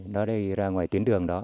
nó đi ra ngoài tuyến đường đó